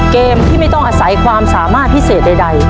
เกมที่ไม่ต้องอาศัยความสามารถพิเศษใด